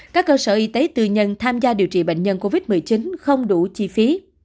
các cơ sở y tế tư nhân tham gia điều trị bệnh nhân covid một mươi chín không đủ chi phí